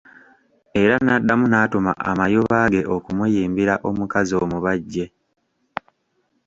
Era n'addamu n'atuma amayuba ge okumuyimbira omukazi omubajje.